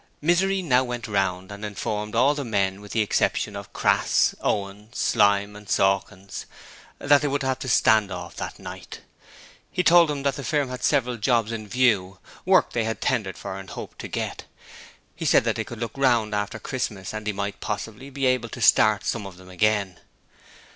Misery now went round and informed all the men with the exception of Crass, Owen, Slyme and Sawkins that they would have to stand off that night. He told them that the firm had several jobs in view work they had tendered for and hoped to get, and said they could look round after Christmas and he might possibly be able to start some of them again.